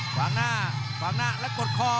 ขวางหน้าแล้วกดคอ